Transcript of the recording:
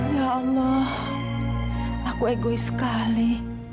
ya allah aku egois sekali